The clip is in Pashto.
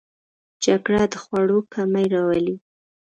جګړه د خوړو کمی راولي